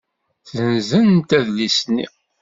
Ssenzent adlis-nni.